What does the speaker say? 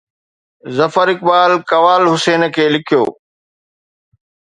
ظفر اقبال قوال حسين کي لکيو